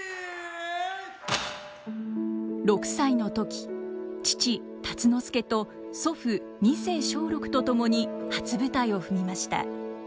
６歳の時父辰之助と祖父二世松緑と共に初舞台を踏みました。